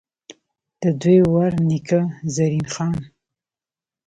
ددوي ور نيکۀ، زرين خان ،